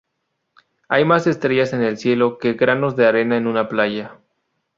Hay mas estrellas en el cielo que granos de arena en una playa